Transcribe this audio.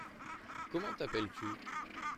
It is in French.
Comment t’appelles-tu ?